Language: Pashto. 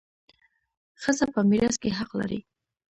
ښځه په میراث کي حق لري.